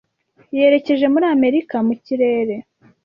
Yerekeje muri Amerika mu kirere.